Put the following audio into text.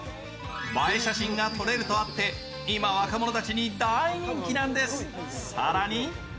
映え写真が撮れるとあって今、若者たちに大人気なんです。